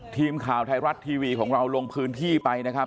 ทีมข่าวไทยรัฐทีวีของเราลงพื้นที่ไปนะครับ